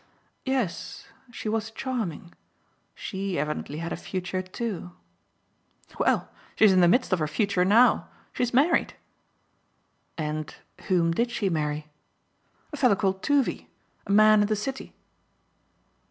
Yes, she was charming she evidently had a future too." "Well, she's in the midst of her future now. She's married." "And whom did she marry?" "A fellow called Toovey. A man in the City."